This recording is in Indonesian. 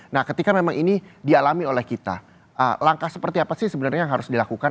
nah ketika memang ini dialami oleh kita langkah seperti apa sih sebenarnya yang harus dilakukan